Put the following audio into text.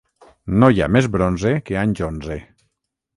No hi ha més bronze que anys onze.